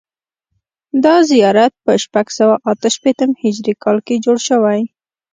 دا زیارت په شپږ سوه اته شپېتم هجري کال کې جوړ شوی.